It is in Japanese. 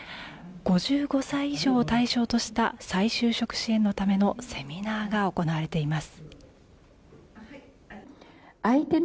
５５歳以上を対象とした再就職支援のためのセミナーが行われています。